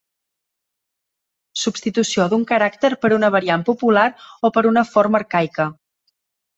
Substitució d'un caràcter per una variant popular o per una forma arcaica.